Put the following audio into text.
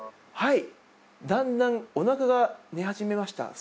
はい、だんだんおなかが寝始めました。